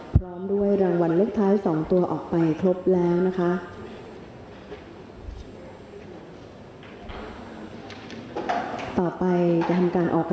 พร้อมด้วยรางวัลเลขท้าย๒ตัวออกไปครบแล้วนะคะ